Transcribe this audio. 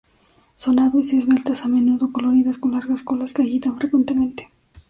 Son aves esbeltas, a menudo coloridas, con largas colas que agitan frecuentemente.